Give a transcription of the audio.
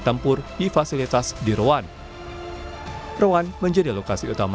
rampur misi khusus anti tank seperti jaguar